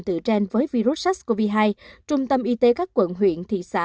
tự trên với virus sars cov hai trung tâm y tế các quận huyện thị xã